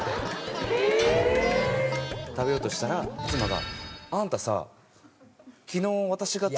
食べようとしたら妻が。